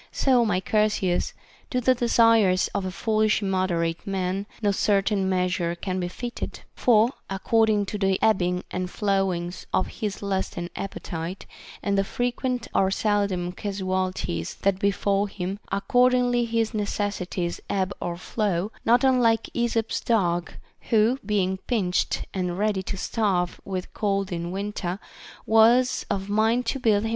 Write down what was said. So, my Chersias, to the desires of a foolish immoderate man no certain meas ure can be fitted ; for, according to the ebbings and flow ings of his lust and appetite, and the frequent or seldom casualties that befall him, accordingly his necessities ebb or flow, not unlike Esop's dog, who, being pinched and ready to starve with cold in winter, was of mind to build * II.